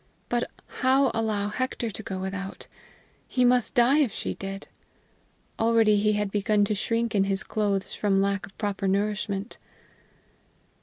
But how allow Hector to go without? He must die if she did! Already he had begun to shrink in his clothes from lack of proper nourishment.